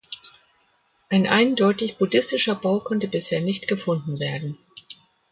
Ein eindeutig buddhistischer Bau konnte bisher nicht gefunden werden.